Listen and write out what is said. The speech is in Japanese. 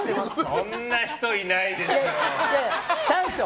そんな人いないでしょ。